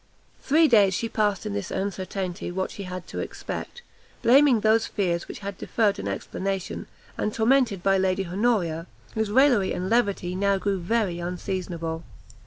Three days she passed in this uncertainty what she had to expect; blaming those fears which had deferred an explanation, and tormented by Lady Honoria, whose raillery and levity now grew very unseasonable.